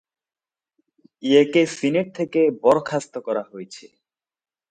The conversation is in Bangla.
ইয়েকে সিনেট থেকে বরখাস্ত করা হয়েছে।